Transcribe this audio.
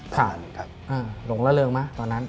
โหหลงละเริงไหมต่อนั้น